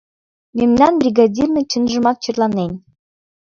Мемнан бригадирна чынжымак черланен.